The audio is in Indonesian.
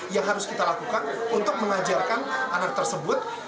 yang harus kita lakukan untuk mengajarkan anak tersebut